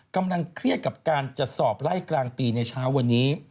กำลังเครียดกับการจะสอบไล่กลางปีในเช้าวันนี้